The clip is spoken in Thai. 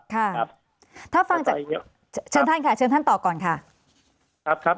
ค่ะถ้าฟังจากเชิญท่านค่ะเชิญท่านตอบก่อนค่ะครับครับ